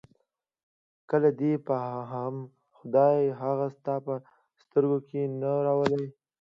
کله دې هم خدای هغه ستا په سترګو کې نه راولي.